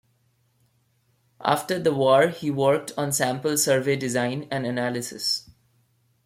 After the war he worked on sample survey design and analysis.